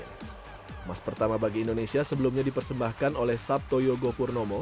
emas pertama bagi indonesia sebelumnya dipersembahkan oleh sabto yogo purnomo